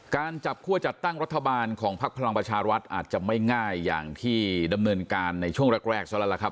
การจับคั่วจัดตั้งรัฐบาลของพักพลังประชารัฐอาจจะไม่ง่ายอย่างที่ดำเนินการในช่วงแรกซะแล้วล่ะครับ